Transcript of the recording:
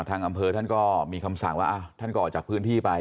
ทางอำเภอท่านก็มีคำสั่งว่าท่านก็ออกจากพื้นที่ไป